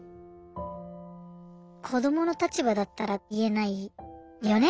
子どもの立場だったら言えないよね。